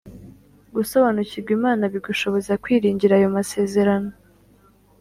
Gusobanukirwa imana bigushoboza kwiringira ayo masezerano